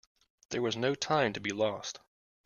There was no time to be lost.